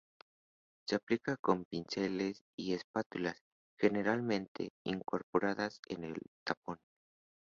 Se aplican con pinceles o espátulas generalmente incorporadas en el tapón.